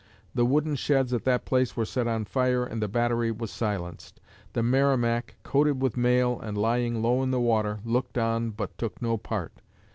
The wooden sheds at that place were set on fire and the battery was silenced. The 'Merrimac,' coated with mail and lying low in the water, looked on but took no part.